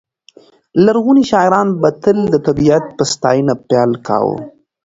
لرغوني شاعران به تل د طبیعت په ستاینه پیل کاوه.